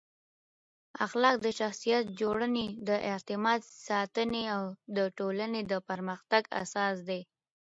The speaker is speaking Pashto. اخلاق د شخصیت جوړونې، د اعتماد ساتنې او د ټولنې د پرمختګ اساس دی.